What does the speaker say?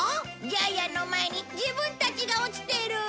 ジャイアンの前に自分たちが落ちてる！